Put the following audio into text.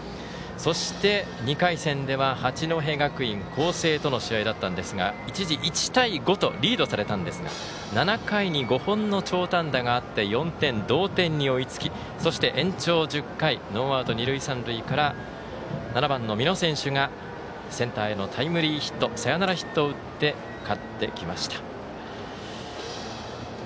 そして２回戦では八戸学院光星との試合だったんですが一時、１対５とリードされたんですが７回に５本の長打安打があって４点同点に追いつきそして、延長１０回ノーアウト、二塁三塁から７番の美濃選手がセンターへのタイムリーヒットサヨナラヒットを打って勝ってきました。